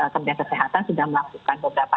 kementerian kesehatan sudah melakukan beberapa